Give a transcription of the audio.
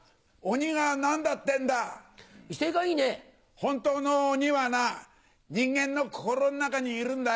本当の鬼はな人間の心の中にいるんだよ。